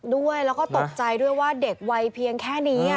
ด้วยแล้วก็ตกใจด้วยว่าเด็กวัยเพียงแค่นี้